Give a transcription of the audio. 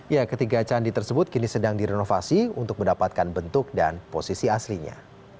ya ketiga candi tersebut kini sedang direnovasi untuk mendapatkan bentuk dan posisi aslinya